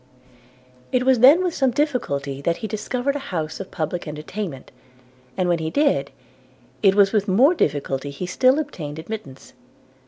It was then with some difficulty that he discovered a house of public entertainment; and when he did, it was with more difficulty still he obtained admittance.